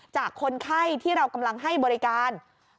คนไข้ที่เรากำลังให้บริการ